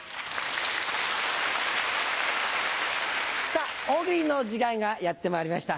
さぁ大喜利の時間がやってまいりました。